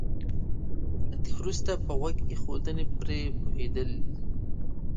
له دې وروسته په غوږ ايښودنې پرې پوهېدل دي.